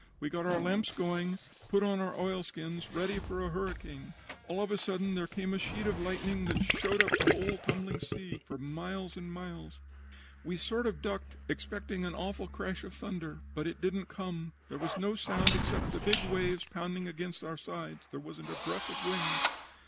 We got our lamps going, and put on our oilskins, ready for a hurricane. All of a sudden there came a sheet of lightning that showed up the whole tumbling sea for miles and miles. We sort of ducked, expecting an awful crash of thunder, but it didn't come. There was no sound except the big waves pounding against our sides. There wasn't a breath of wind.